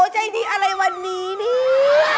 ใจดีอะไรวันนี้เนี่ย